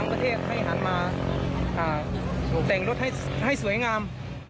ประเทศให้หันมาแต่งรถให้สวยงาม